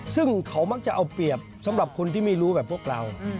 ซึ่งเขามักจะเอาเปรียบสำหรับคนที่ไม่รู้แบบพวกเรา